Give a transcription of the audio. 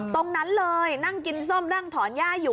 ตรงนั้นเลยนั่งกินส้มนั่งถอนย่าอยู่